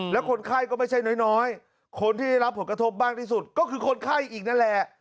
แล้วคนไข้ก็ไม่ใช่น้อยคนที่ได้รับผลกระทบมากที่สุดก็คือคนไข้อีกนั่นแหละ